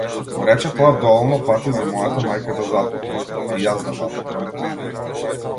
Го рече тоа доволно пати за мојата мајка да запомни, и јас да запомнам.